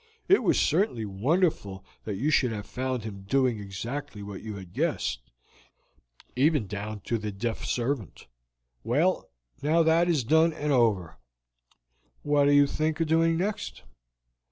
"It was certainly wonderful that you should have found him doing exactly what you had guessed, even down to the deaf servant. Well, now that is done and over, what do you think of doing next?"